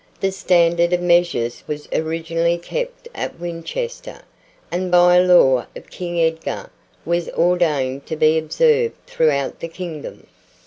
The standard of measures was originally kept at Winchester, and by a law of King Edgar was ordained to be observed throughout the kingdom.